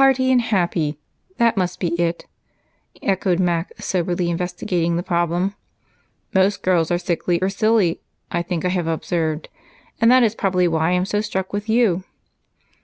"'Hearty and happy' that must be it," echoed Mac, soberly investigating the problem. "Most girls are sickly or silly, I think I have observed, and that is probably why I am so struck with you."